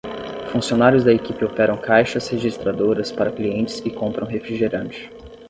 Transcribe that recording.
Funcionários da equipe operam caixas registradoras para clientes que compram refrigerante.